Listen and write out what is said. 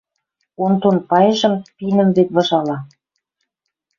Онтон пайжым пинӹм вет выжала.